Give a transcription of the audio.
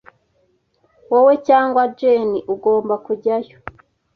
Wowe cyangwa Jane ugomba kujyayo.